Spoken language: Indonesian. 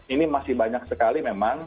ini masih banyak sekali memang